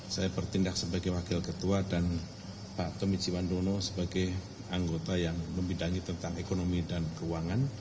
saya bertindak sebagai wakil ketua dan pak tommy ciwandono sebagai anggota yang membidangi tentang ekonomi dan keuangan